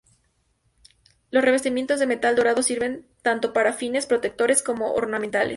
Los revestimientos de metal dorado sirven tanto para fines protectores como ornamentales.